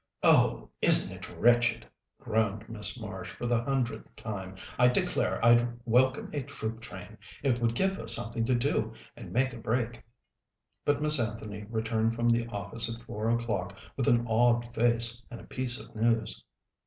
"Oh, isn't it wretched?" groaned Miss Marsh for the hundredth time. "I declare I'd welcome a troop train; it would give us something to do, and make a break." But Miss Anthony returned from the office at four o'clock with an awed face and a piece of news.